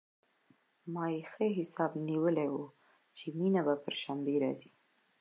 ما يې ښه حساب نيولى و چې مينه به پر شنبه راځي.